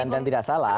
dan tidak salah